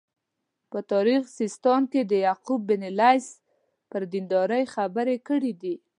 په تاریخ سیستان کې د یعقوب بن لیث پر دینداري خبرې دي.